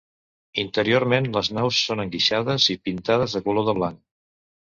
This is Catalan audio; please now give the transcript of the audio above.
Interiorment les naus són enguixades i pintades de color de blanc.